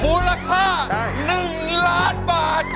มูลค่า๑ล้านบาท